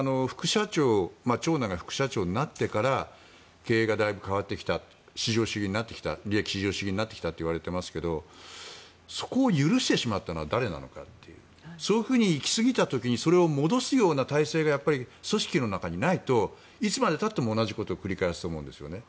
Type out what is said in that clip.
長男が副社長になってから経営がだいぶ変わってきた利益至上主義になってきたといわれていますがそこを許してしまったのは誰なのかというそういうふうに行きすぎた時にそれを戻すような体制が組織の中にないといつまでたっても同じことを繰り返すと思うんです。